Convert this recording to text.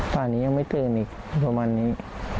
ตอนนี้ยังไม่ตื่นอีกงั้นประมาณนี้